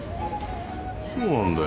そうなんだよ。